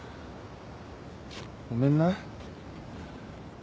ごめんな。